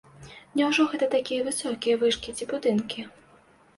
Няўжо гэта такія высокія вышкі ці будынкі?